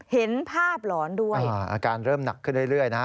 เห็นภาพหลอนด้วยอาการเริ่มหนักขึ้นเรื่อยนะฮะ